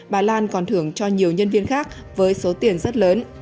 bà lan còn thưởng cho nhiều nhân viên khác với số tiền rất lớn